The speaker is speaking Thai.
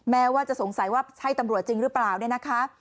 แม้ว่าจะสงสัยว่าใช่ตำรวจจริงหรือเปล่าเนี่ยนะคะ